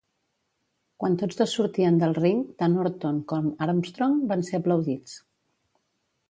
Quan tots dos sortien del ring, tant Orton com Armstrong van ser aplaudits.